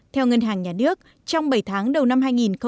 theo ngân hàng nhà nước trong bảy tháng đầu năm hai nghìn một mươi chín